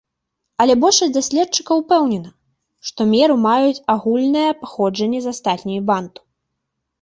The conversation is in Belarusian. Але большасць даследчыкаў упэўнена, што меру маюць агульнае паходжанне з астатнімі банту.